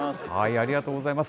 ありがとうございます。